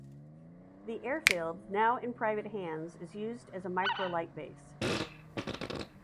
The airfield, now in private hands, is used as a microlight base.